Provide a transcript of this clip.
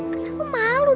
kan aku malu